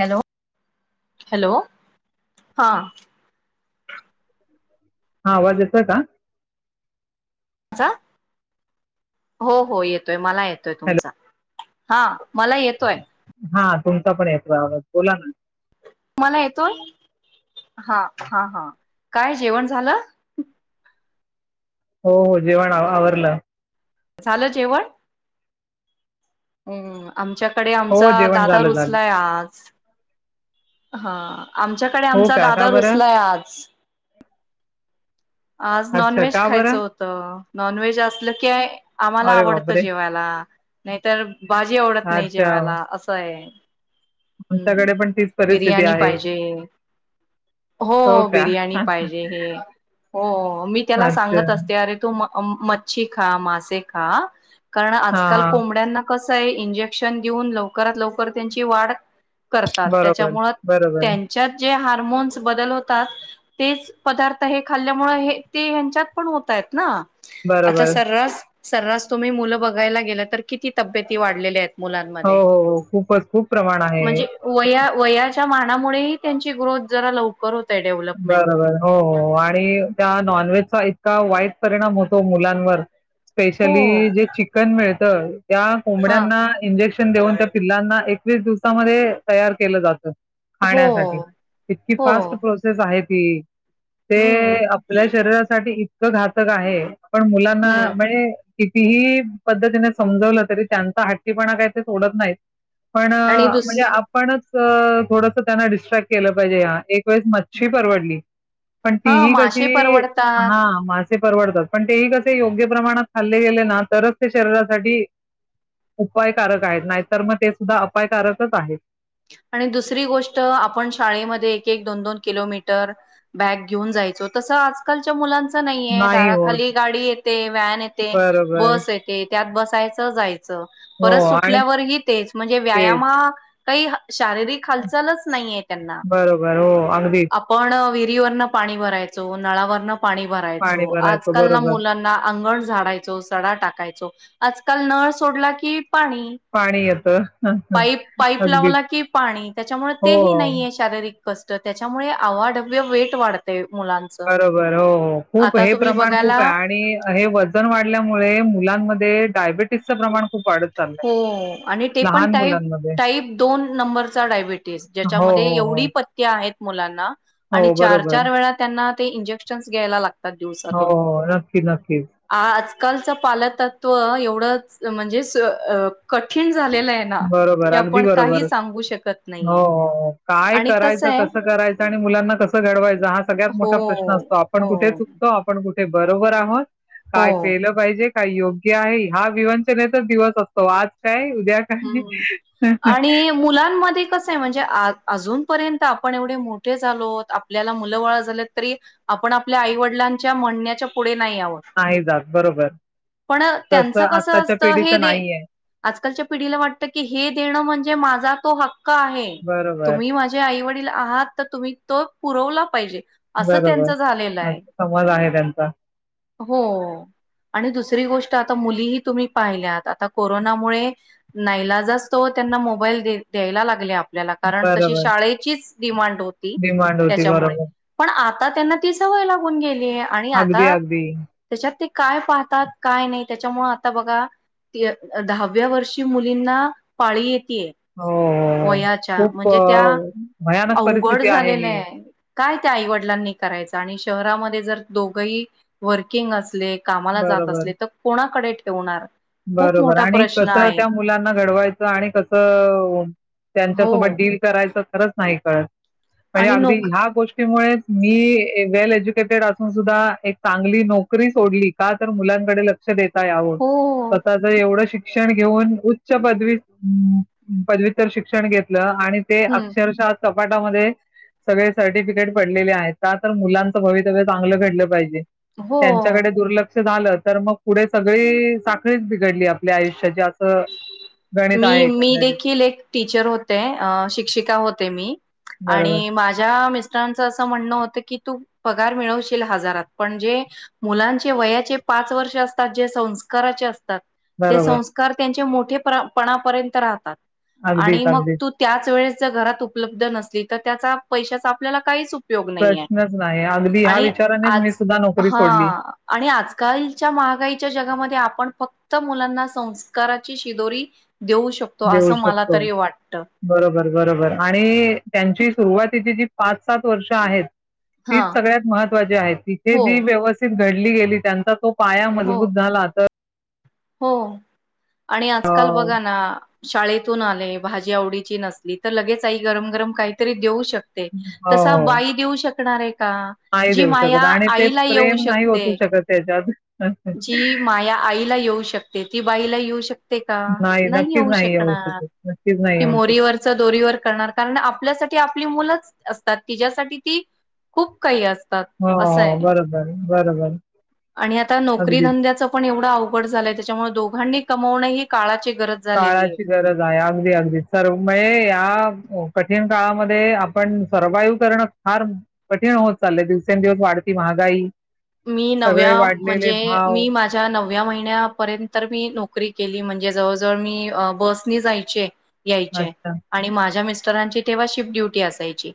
Hello hello हा. हा आवाज येतोय का? हो हो येतोय मला येतोय हॅलो तुमचा हा. मला येतोय. कोणता पण येतो आवज बोला ना. ला येतो ह ह ह काय जेवण झालं. हो हो जेवण आवरलं. झालं जेवण. हम्म आमच्याकडे हो आमचा जेवण दादा झालं झालं रुचलाय आज. हा आमच्याकडे हो आमचा का का दादा बरं रुसलाय आज. आज अच्छा नॉनव्हेज का खायचं बरं होतं नॉनव्हेज असलं की आम्हाला अरे आवडतं बापरे जेवायला. नाही तरर भाजी आवडत नाही अच्छा जेवायला असं आहे. हम्म आमच्याकडे पण तीच परिस्थिती बिर्याणी आहे पाहिजे. हो बिर्याणी पाहिजे हे. हो मी त्याला अच्छा सांगत असते अरे तू मच्छी खा मासे खा.. कारण हा आजकाल हा कोंबड्यांना कसं आहे इंजेक्शन देऊन लवकरात लवकर त्यांची वाढ. करतात बरोबर त्याच्यामुळ बरोबर त्यांच्या.. जे हार्मोन्स बदल होतात तेच पदार्थ हे. खाल्ल्यामुळे हे ते हच्यात पण होत आहेत ना आ बरोबर सर्रास. सर्रास तुम्ही मुलं बघायला गेलं तर किती तब्येती वाढलेल्या आहेत. हो मुलांमध्ये हो हो खूपच खूप प्रमाण आहे म्हणजे वया -वया च्या मानामुळे ही त्यांची ग्रोथ जरा लवकर होतय डेव्हलपमेंट. बरोबर हो आणि. त्या नॉनव्हेजचा इतका वाईट परिणाम होतो मुलांवर. हो स्पेशली जे चिकन मिळतं. त्या हा कोंबड्यांना इंजेक्शन देऊन त्या पिल्लांना एकवीस दिवसामध्ये तयार केलं जातं. हो खाण्यासाठी इतकी हो फास्ट प्रोसे आहेत ती ते हम्म आपल्या शरीरासाठी इतकं घातक आहे. पण मुलांना हम्म म्हणजे? कितीही पद्धतीने समजवलं तरी त्यांचा हट्टीपणा काही ते सोडत नाहीत. पण आणि दुस म्हणजे आपणच थोडस त्यांना डिस्ट्रॅक्ट केलं पाहिजे ह एक वेळेस. क्षी परवडली पण हा तीही मासे कशी परवडतात हा मा ते परवडतात पण तेही कसे योग्य प्रमाणात खाल्ले गेले ना तरच ते शरीरासाठी उपायकारक आहेत नाहीतर मग ते सुद्धा अपायकारकच आहेत. आणि दुसरी गोष्ट आपण शाळेमध्ये एक -एक दोन- दोन किलोमीटर बॅग घेऊन जा जायचो तस आजकालच्या मुलां का नाहीये नाही होत. दाराखाली गाडी येते, व्हॅन येते, बरोबर. बस येते त्यात बसायचं जायचं. च परत हो आणि सुटल्यावरही तेच म्हणजे तेच. व्यायाम काही शारीरिक हालचालच नाहीये त्यांना बरोबर. हो, अगदीच. आपण नदीवरन पाणी भरायचो नळावर पाणी पाणी भरायचो भरायचं. आजकाल ना बरोबर. मुलांना अंगण झाडायचो सडा टाकायचो. आजकाल नळ सोडला की पाणी पाणी येत ह. [inaudible] टीप लावला की पाणी त्याच्यामुळे तेही नाहीये शारी कष्ट त्याच्यामुळे अवाढव्य वेट वाढतेय बरोबर हो- हो खूप हे तुम्ही प्रमाण बघायला खूप आहे आणि हे वजन वाढल्यामुळे मुलांमध्ये मध्ये डायबिटीस प्रमाण खूप वाढत चाललंय. हो आणि ते पण लहान टाई मुलांमध्ये. टाईप दोन नंबरचा डायबिटीस हो, ज्याच्यामध्ये हो, हो. एवढी पथे आहेत मुलांना. आणि हो, चार बरोबर. -चार वेळा त्यांना ते इंजेक्शन्स घ्यायला लागतात दिवसातून. हो नक्की, नक्कीच. आजकालचं -पालतत्व एवढं- म्हणजे -कठीण. झालेलं आहे ना बरोबर, की अगदी आपण बरोबर. काही सांगू शकत हो, नाहीय आणि कस आहे त्रायचा आणि मुलांना कसं घडवायंचा हा सगळ्यात हो मोठा प्रश्न असतो आपण हो कुठे चुकतो आपण कुठे ते बरोबर आहोत काय हो केलं पाहिजे, काय योग्य आहे हा विवंचनेचा दिवस असतो आज काय, उद्या काय हम्म्म आणि मुलांमध्ये कसं आहे म्हणजे आ अजून पर्यंत आपण एवढे मोठे झालोत आपल्याला मुल बाळ झाल्यात तरी आपण आपल्या आईवडीलांच्या म्हणण्याच्या पुढे नाही आहोत आहे जात बरोबर. पण त्यांच तसं कसं आत्ताच्या असतं हे पिढीचं दे, नाहीये. आजकालच्या पिढी ढीला वाटत की, हे देणं म्हणजे माझा तो हक्क आहे बरोबर, तुम्ही माझ्या आई वडील आ आहात तर तुम्ही तो पुरवला पाहिजे. असं बरोबर. त्यांचं झालेलं आहे. असा समज आहे त्यांचा. हो, आणि दुसरी गोष्ट आता मुलीही तुम्ही पाहिल्यात आता कोरोनामुळे नाईलाजास्तव त्यांना मोबाईल द्यायला लागले आपल्याला कारण तशी बरोबर. शाळेचीच डिमांड होती, डिमांड होती. त्याच्यामुळे बरोबर. पण आता त्यांना ती सवय लागून गेली ली, आणि अगदी, आता अगदी. त्याच्यात ते काय पाहतात काय नाही त्याच्यामुळे आता बघा- दहाव्या वर्षी र्षी मुलींना पाळी येतेय हो, हो. वयाच्या खूप म्हणजे त्या अ, भयानक अवघड परिस्थिती झालेलं ही. आहे काय त्या आईवडिलांनी करायचं आणि शहरामध्ये जर दोघही वर्किंग असले कामाला जात बरोबर, असले तर कोणाकडे ठेवणार? खूप बरोबर मोठा आणि प्रश्न कस आहे. त्या मुलांना घडवायचं आणि कसं हो त्यांच्यासोबत डील करायचं खरंच नाही कळत. म्हणजे आणि अगदी नोक ह्या गोष्टीमुळे च मी वेल एज्युकेटेड असून सुद्धा एक चांगली नोकरी सोडली का तर मुलांकडे लक्ष देता या हो. आता आता एवढ शिक शिक्षण घेऊन उच्च पदवी पदव्यत्तर शिक्षण घेतलं. आणि ते हम्म. अक्षरशः कपाटामध्ये सगळे सर्टिफिकेट पडलेले आहेत त्या तर मुलांच भवितव्य चांगलं घडलं पाहिजे. हो. त्यांच्याकडे दुर्लक्ष झालं तर मग पुढे सगळी साखळीच बिघडली आपल्या आयुष्याच्या मी मी देखील एक टीचर होते अ शिक्षिका होते मी बरोबर, आणि माझ्या मि अस म्हण होत की तू पगार मिळवशील हजारात जे मुलांचे वयाचे पाच वर्ष असतात जे संस्काराचे अस ते बरोबर. संस्कार त्यांचे मोठेपणापर्यंत राहतात. अगदीच, आणि मग अगदीच. तू त्याच वेळेस जर घरात उपलब्ध नसली तर त्याचा पैशाचा आपल्याला काहीच उपयोग नाहीये. प्रश्नच नाही अगदी ह्या आणि विचारानेच मी आज सुद्धा नोकरी हा सोडली आणि आजकालच्या महागाईच्या जगामध्ये आपण फक्त तर मुलांना संस्काराची शिदोरी देऊ शकतो देऊ असं मला शकतो, तरी वाटत बरोबर बरोबर आणि त्यांची सुरुवातीची जी पाच सात वर्ष आहेत, हा तीच सगळ्यात महत्वाची आहे तिथे हो जी व्यवस्थित घडी गेली त्यांचा तो पाया हो मजबूत झाला तर हो आणि अ, आजकाल बघा ना, शाळेतून आले भाजी आवडीची नसली तर लगेच आई गरम गरम काहीतरी देऊ शकते. तसा हो, वाई देऊ शकणार आहे. का नाही जी देऊ माया शकत आणि ते आईला येऊ प्रेम नाही शकते ओतू शकत त्याच्यात. जी माया आईला येऊ शकते, ती बाईला येऊ शकते का? नाही नक्कीच येऊ शकणार शकत. नक्कीच नाही कि येऊ शकत. मोरीवरच दोरीवर करणार कारण आपल्यासाठी आपली मुलं असतात तिच्यासाठी ती खूप काही असतात असंय हो, बरोबर, बरोबर. आणि आता नोकरी अगदीच. धंद्याच पण एवढं अवघड झालंय. त्याच्यामुळे दोघांनी कमवण काळाचे काळाची गरज आहे अगदी अगदी सर्व म्ह या कठीण काळामध्ये आपण सर्वाईव्ह करणं फार कठीण होत चाललंय दिवसेंदिवस वाढती महागाई मी नव्या सगळे वाढलेले म्हणजे भाव मी माझ्या नव व्या महिन्यापर्यंत मी नोकरी केली म्हणजे जवळ जवळ मी बसनी जायचे. यायचेय अच्छा आणि माझ्या मिस्टरांची तेव्हा शिफ्ट ड्युटी असायची.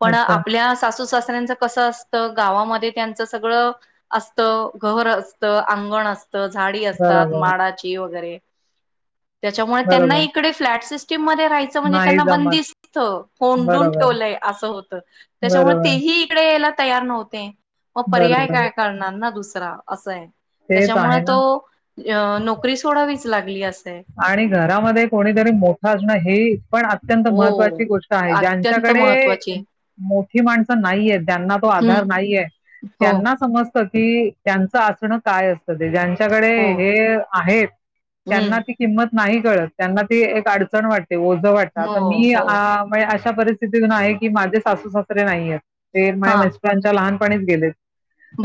पण अच्छा आपल्या सासू सासऱ्यांच कसं असतं गावामध्ये त्यांच सगळं असत घर असत अंगण असत. झाडी असतात बरोबर माडाची वगैरे त्याच्यामुळे त्यांना बरोबर इकडे फ्लॅट सिस्टीम मध्ये म्हणजे नाही त्यांना जमत बंदिस्थ कोडून बरोबर ठेवलंय असं होत त्याच्यामुळे बरोबर तेही इकडे तयार नव्हते मग पर्याय बरोबर काय करणार ना दुसरा असं आहे. तेच त्यांच्यामुळे आहे ना तो अ नोकरी सोडावीच लागली असे आणि घरामध्ये कोणीतरी मोठं असणं हे पण अत्यंत हो. महत्त्वाची गोष्ट आहे अत्यंत ज्यांच्याकडे महत्त्वाची मोठी माणसं नाहीये त्यांना तो हम्म आधार नाहीये. हो त्यांना समजत की त्यांचं असणं काय असतं ते, त्यांच्याकडे हो हे आहेत त्यांना हम्म ती किंमत नाही कळत त्यांना ती एक अडचण वाटते. ते ओझं वाटत हो तर मी हो. अशा परिस्थितीतून आहे की माझे सासू सासरे नाहीयेत ते माझ्या हा मिस्टरांच्या लहानपणीच गेले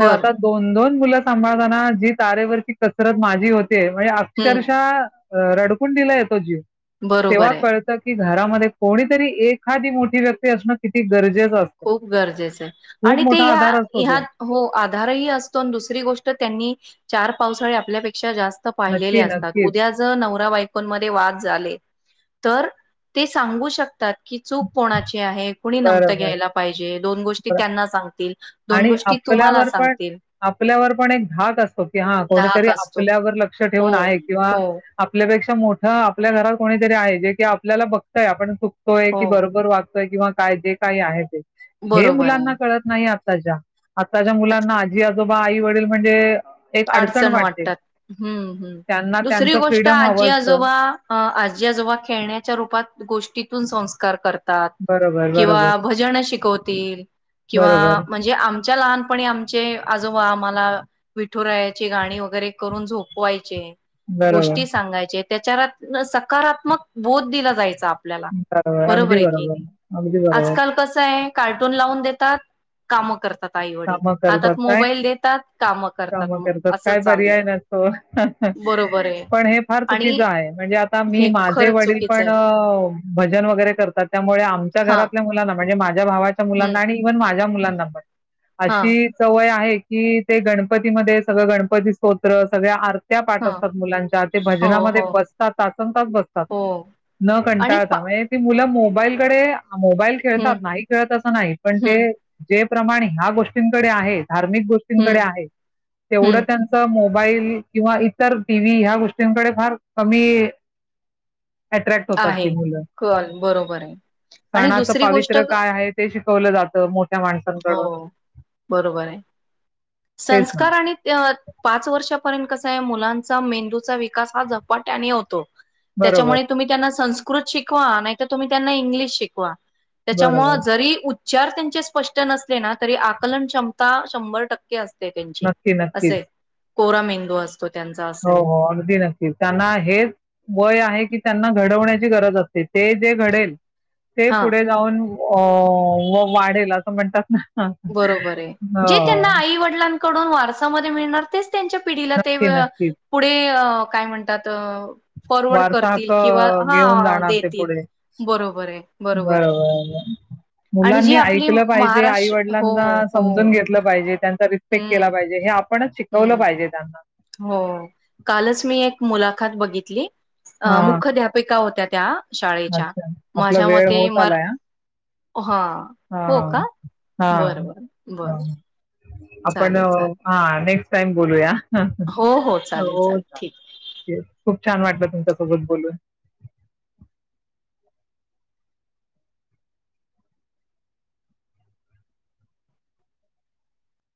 तर आता दोन दोन मुलं सांभाळ जी तारेवरची कसरत माझी होते म्हणजे हम्म अक्षरशः रडकूंडीला दिला येतो जीव तेव्हा बरोबर आहे कळत की घरामध्ये कोणीतरी एखादी मोठी व्यक्ती असणं किती गरजेचं असतं. खूप गरजेचं आहे खूप आणि ते मोठा ह्या आधार असतो ह्या तो. हो आधारही असतो दुसरी गोष्ट त्यांनी चार पावसाळे आपल्यापैकी जास्त पाहिलेली नक्की, असतात नक्कीच. उद्या जर नवरा बायकोमध्ये वाद झाले तर ते सांगू शकतात की चूक कोणाची आहे कुणी नमतं बरोबर. घ्यायला दोन गोष्टी त्यांना सांगतील दोन आणि गोष्टी तुम्हाला आपल्यावर पण सांगतील आपल्यावर पण एक धाक असतो की हा कोणीतरी धाक असतो. आपल्यावर लक्ष हो, ठेवून आहे किंवा हो, आपल्या मोठ आपल्या घरात कोणीतरी आहे जे की आपल्याला बघतय आपण चुकतोय हो, की बरोबर वाचतो किंवा काय तेे काही आहे ते हे बरोबर आहे. मुलांना कळत नाही आत्ताच्या आत्ताच्या अच मुलांना आजी आजोबा आई वडील म्हणजे एक अडचण वाटते. वाटतात हम्म हम्म त्यांना दुसरी त्यांचं गोष्ट फ्रीडम आजी हवं असतं. आजोबा आजी आजोबा खेळण्याच्या रूपात गोष्टीतून संस्कार बरोबर, बरोबर, किंवा भजन शिकवतील किंवा बरोबर, म्हणजे आमच्या पण आमचे आजोबा आम्हाला विठुरायाची गाणी वगैरे करून झोपवायचे बरोबर, गोष्टी सांगायचे त्याच्या सकारात्मक बोध दिला जायचा आपल्याला बरोबर अगदी आहे की नाही अगदी बरोबर. आजकाल कस आहे कार्टून लावून देतात काम करतात आई वडील कामं करतात हात काय मोबाईल देतात काम करतात करतात असं काय पर्याय चाललंय नसतो बरोबर आहे पण हे फार आणि चुकीचं आहे म्हणजे आता आम्ही हे माझे खरं वडील चुकीचं पण आहे भजन वगैरे करतात त्यामुळे आमच्या हा घरातल्या मुलांना म्हणजे माझ्या भावाच्या हम्म मुलांना आणि इव्हन माझ्या मुलांना पण हा अशी सवय आहे कि ते गणपतीमध्ये सगळं गणपती स्तोत्र सगळ्या त्या पाठ हा असतात मुलांच्या ते हो भजनामध्ये हो बसतात तू तासंतास बसतात हो न आणि पा कंटाळता म्हणजे ती मुलं मोबाईलकडे मोबाईल हम्म खेळतात नाही खेळत असं नाही पण ते हं, जे प्रमाणे ह्या गोष्टींकडे आहे धार्मिक गोष्टींकडे हं, आहे तेवढं हं. त्यांच मोबाईल किंवा इतर टीव्ही ह्या गोष्टींकडे फार कमी अट्रॅक्ट होतात आहे. ती मुलं कल बरोबर आहे. आणि सणाच दुसरी गोष्ट पावित्र क काय आहे ते शिकवलं जातं मोठ्या हो, माणसांकडून बरोबर आहे तेच ना. संस्कार आणि पाच वर्षापर्यंत मुलांच्या मेंदूचा विकास हा झपाट्याने होतो बरोबर, त्याच्यामुळे संस्कृत शिकवा नाही तर तुम्ही त्यांना इंग्लिश शिकवा बरोबर. त्याच्यामुळे जरी उचार त्यांचे स्पष्ट नसले ना तरी आकलन क्षमता शंभर टक्के असते त्यांची नक्की, नक्कीच. असे कोरा मेंदू असतो त्यांचा असं हो आहे. हो अगदी नक्की त्यांना हेच वय आहे की त्यांना घडवण्याची गरज असते ते जे घडेल ते हां. पुढे जाऊन अ व वाढेल असं म्हणतात ना बरोबर आहे जे त्यांना हो. आई वडिलांना वारसामध्ये मिळणार तेच त्यांच्या पिढीला ते नक्की, नक्कीच. पुढे काय म्हणतात फॉरवर्ड वारसा करतील हक्क किंवा घेऊन हा जाणार ते देतील पुढे. बरोबर आहे बरोबर आहे आणि जी मुलांनी आपली ऐकलं पाहिजे आई महाराष्ट्र हो वडिलांना हो समजून घेतलं पाहिजे त्यां रिस्पेक्ट केला हम्म पाहिजे हे आपणच शिकवलं हम्म पाहिजे त्यांना हो कालच मी एक मुलाखत बघितली हां, मुख्याध्यापिका होत्या त्या शाळेच्या अच्छा. आपला माझ्या वेळ मते होत मर आलाय हां. हा हो का हां, हां. बरं बर बर हां. आपण हा नेक्स्ट टाइम बोलूया हा ह हो चालेल हो चालेल ठीक. खूप छान वाटलं तुमच्यासोबत बोलून